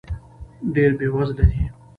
ډېر بې وزله دی .